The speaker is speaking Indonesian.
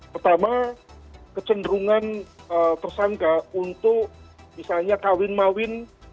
pertama kecenderungan tersangka untuk misalnya kawin mawin